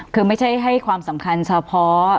คือไม่ใช่ให้ความสำคัญเฉพาะ